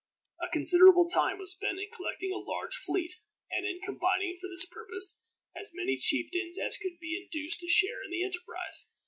A considerable time was spent in collecting a large fleet, and in combining, for this purpose, as many chieftains as could be induced to share in the enterprise.